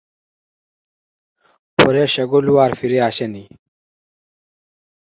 পরে সেগুলো আর ফিরে আসেনি।